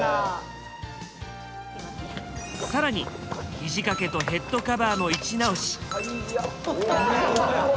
更にひじ掛けとヘッドカバーの位置直し。